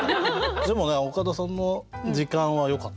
でもね岡田さんの「時間」はよかった。